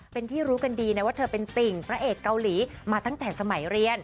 เป็นที่รู้กันดีนะว่าเธอเป็นติ่งพระเอกเกาหลีมาตั้งแต่สมัยเรียน